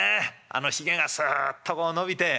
あのひげがすっとこう伸びて。